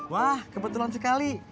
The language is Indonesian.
wah kebetulan sekali